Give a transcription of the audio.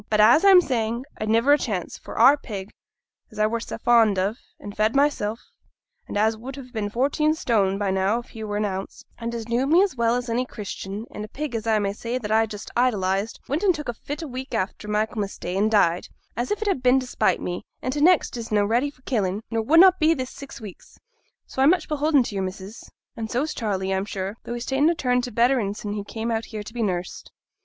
But, as I'm saying, I'd niver a chance; for our pig, as I were sa fond on, and fed mysel', and as would ha' been fourteen stone by now if he were an ounce, and as knew me as well as any Christian, and a pig, as I may say, that I just idolized, went and took a fit a week after Michaelmas Day, and died, as if it had been to spite me; and t' next is na' ready for killing, nor wunnot be this six week. So I'm much beholden to your missus, and so's Charley, I'm sure; though he's ta'en a turn to betterin' sin' he came out here to be nursed.'